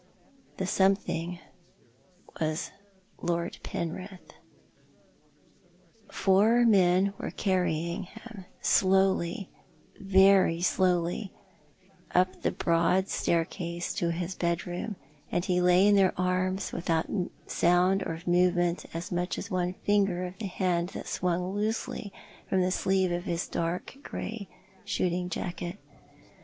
The something was Lord Penrith. Four men were carrying him — slowly — very slowly — up the broad staircase to his bed room, and he lay in their arms without sound or movement of so much as one finger of the hand that swung loosely from the sleeve of liis dark grey shooting jacket.